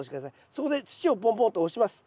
そこで土をポンポンと押します。